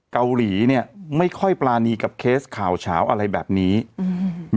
เกาหลีเนี้ยไม่ค่อยปรานีกับเคสข่าวเฉาอะไรแบบนี้อืม